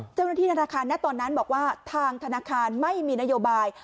เจ้าหน้าที่ธนาคารณตอนนั้นบอกว่าทางธนาคารไม่มีนโยบาย